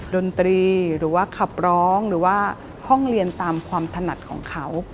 ดนตรีหรือว่าขับร้องหรือว่าห้องเรียนตามความถนัดของเขา